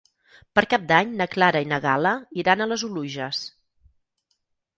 Per Cap d'Any na Clara i na Gal·la iran a les Oluges.